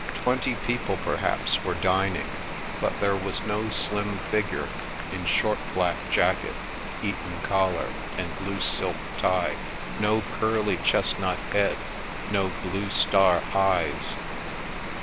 Twenty people, perhaps, were dining; but there was no slim figure in short black jacket, Eton collar, and loose silk tie; no curly chest nut head; no blue star eyes.